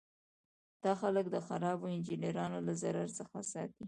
دا خلک د خرابو انجینرانو له ضرر څخه ساتي.